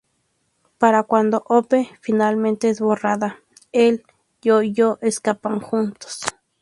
Para cuando Hope finalmente es borrada, el y Yo-Yo escapan juntos.